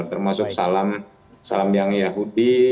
termasuk salam yang yahudi